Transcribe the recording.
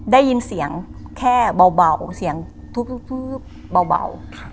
ได้ยินเสียงแค่เบาเสียงทึบเบา